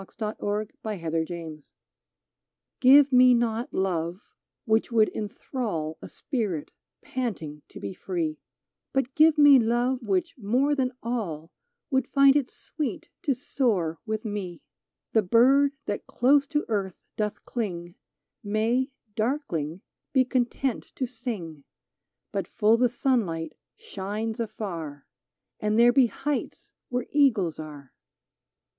140 "GIVE ME NOT LOVE" /'"^ IVE me not love which would inthrall A spirit panting to be free ; But give me love which more than all Would find it sweet to soar with me ! The bird that close to earth doth cling, May, darkling, be content to sing. But full the sunlight shines afar — And there be heights where eagles are.